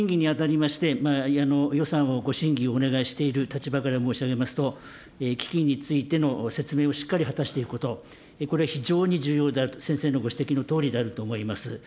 予算審議にあたりまして、予算をご審議をお願いしている立場から申しますと、基金についての説明をしっかり果たしていくこと、これ、非常に重要であると、先生のご指摘のとおりであると思います。